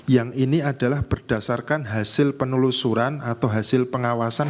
yang ini adalah berdasarkan hasil penelusuran atau hasil pengawasan